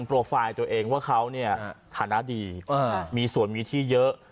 โปรไฟล์ตัวเองว่าเขาเนี่ยฐานะดีมีส่วนมีที่เยอะ